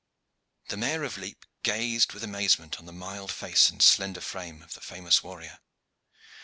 The Mayor of Lepe gazed with amazement on the mild face and slender frame of the famous warrior.